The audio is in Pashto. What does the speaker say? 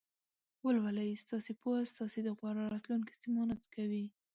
ولولئ! ستاسې پوهه ستاسې د غوره راتلونکي ضمانت کوي.